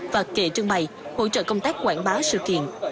và kệ trưng bày hỗ trợ công tác quảng bá sự kiện